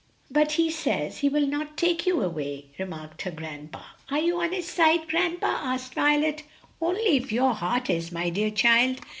"But he says he will not take you away," remarked her grandpa. "Are you on his side, grandpa?" asked Violet. "Only if your heart is, my dear child."